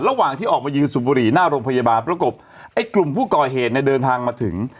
ระหว่างที่ออกมายืนสูบบุหรี่หน้าโรงพยาบาลประกบไอ้กลุ่มผู้ก่อเหตุเนี่ยเดินทางมาถึง